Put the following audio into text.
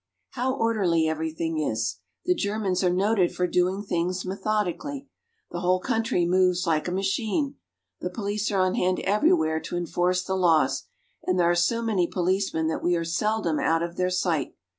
How orderly everything is ! The Germans are noted for doing things methodically. The whole country moves like a machine. The police are on hand everywhere to enforce the laws, and there are so many policemen that we are seldom out of their sight.